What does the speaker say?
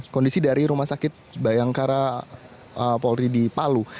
kondisi dari rumah sakit bayangkara polri di palu